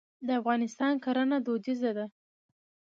د افغانستان کرنه دودیزه ده.